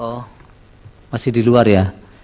oh masih di luar ya